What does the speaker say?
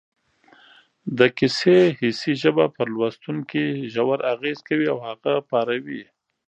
د کیسې حسي ژبه پر لوستونکي ژور اغېز کوي او هغه پاروي